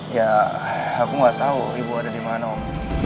ya aku gak tau ibu ada dimana om